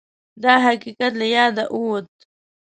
دا حقیقت له یاده ووت